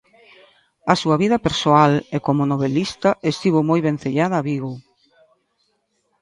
A súa vida persoal e como novelista estivo moi vencellada a Vigo.